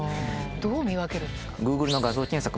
どう見分けるんですか？